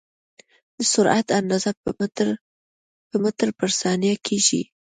د سرعت اندازه په متر پر ثانیه کېږي.